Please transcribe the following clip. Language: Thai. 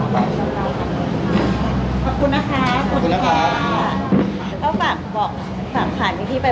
สวัสดีครับสวัสดีครับสวัสดีครับ